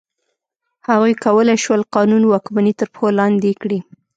هغوی کولای شول قانون واکمني تر پښو لاندې کړي.